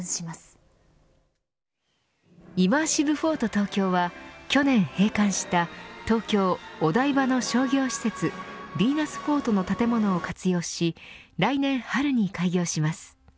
東京は去年閉館した東京・お台場の商業施設ヴィーナスフォートの建物を活用し来年春に開業します。